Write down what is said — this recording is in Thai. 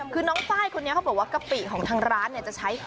คือน้องไฟล์คนนี้เขาบอกว่ากะปิของทางร้านเนี่ยจะใช้